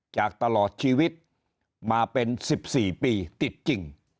จากตลอดชีวิตมาเป็น๑๔ปีติดจริง